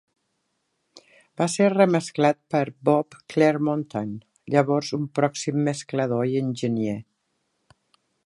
Va ser remesclat per Bob Clearmountain, llavors un pròxim mesclador i enginyer.